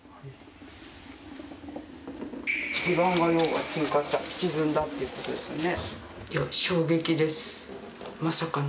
地盤が沈下した沈んだということですよね。